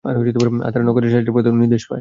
আর তারা নক্ষত্রের সাহায্যেও পথের নির্দেশ পায়।